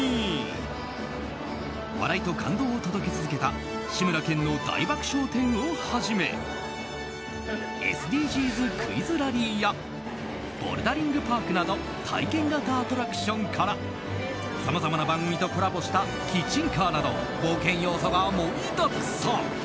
笑いと感動を届け続けた志村けんの大爆笑展をはじめＳＤＧｓクイズラリーやボルダリングパークなど体験型アトラクションからさまざまな番組とコラボしたキッチンカーなど冒険要素が盛りだくさん。